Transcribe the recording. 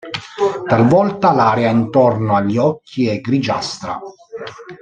Talvolta l'area intorno agli occhi è grigiastra.